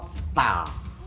semuanya gagal total